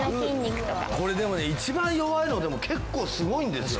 これでもね一番弱いのでも結構すごいんですよ。